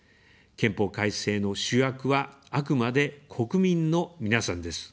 憲法改正の主役は、あくまで国民の皆さんです。